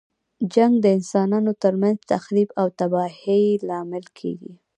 جنګ د انسانانو تر منځ تخریب او تباهۍ لامل کیږي.